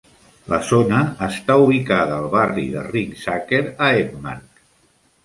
La zona està ubicada al barri de Ringsaker, a Hedmark.